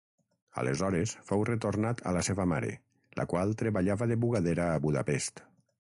Aleshores fou retornat a la seva mare, la qual treballava de bugadera a Budapest.